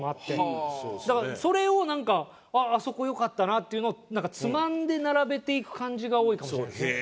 だからそれをなんか「あそこ良かったな」っていうのをつまんで並べていく感じが多いかもしれないですね。